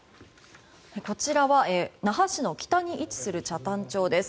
こちら、那覇市の北に位置する北谷町です。